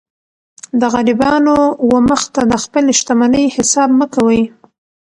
د غریبانو و مخ ته د خپلي شتمنۍ حساب مه کوئ!